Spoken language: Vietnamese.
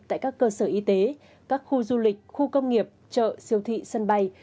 tại các cơ sở y tế các khu du lịch khu công nghiệp chợ siêu thị sân bay